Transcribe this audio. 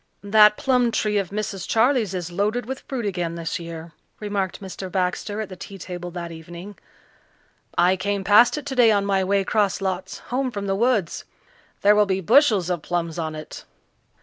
"That plum tree of Mrs. Charley's is loaded with fruit again this year," remarked Mr. Baxter at the tea table that evening. "I came past it today on my way 'cross lots home from the woods. There will be bushels of plums on it."